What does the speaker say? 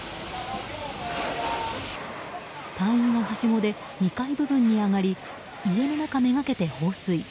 隊員がはしごで２階部分に上がり家の中めがけて放水。